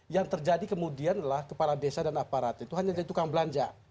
yang terjadi kemudian adalah kepala desa dan aparat itu hanya dari tukang belanja